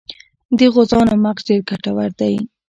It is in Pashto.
د غوزانو مغز ډیر ګټور دی.